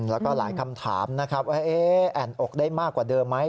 แล้วก็หลายคำถามนะครับว่าแอ่นอกได้มากกว่าเดิมไหม